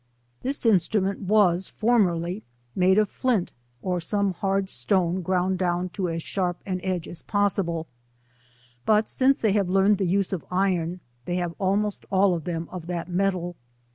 This instrument was formerly made of flint, or some hard stone ground down to as sharp an edge as possible, but since they have learned the use of iron, they have almost ail of them of that metal.